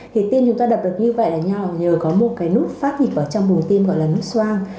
thì tim chúng ta đập được như vậy là nhờ có một cái nút phát nhịp ở trong bồn tim gọi là nút xoang